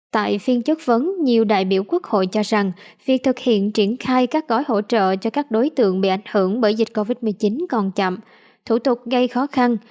tại phiên chất vấn nhiều đại biểu quốc hội cho rằng việc thực hiện triển khai các gói hỗ trợ cho các đối tượng bị ảnh hưởng bởi dịch covid một mươi chín còn chậm thủ tục gây khó khăn